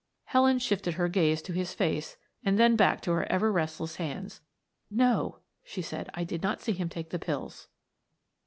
Helen shifted her gaze to his face and then back to her ever restless hands. "No," she said. "I did not see him take the pills."